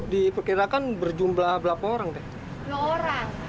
di perkirakan berjumlah belapor